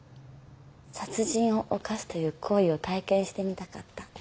殺人を犯すという行為を体験してみたかった。